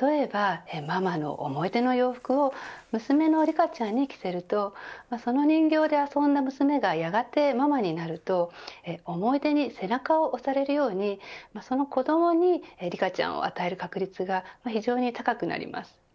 例えば、ママの思い出の洋服を娘のリカちゃんに着せるとその人形で遊んだ娘がやがてママになると思い出に背中を押されるようにその子どもにリカちゃんを与える確率が非常に高くなります。